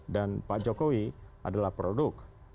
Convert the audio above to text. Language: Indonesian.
dan pak jokowi adalah produk